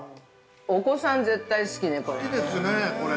◆お子さん絶対好きね、これ。